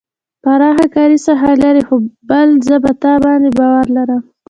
پراخه کاري ساحه لري بل زه په تا باندې باور لرم.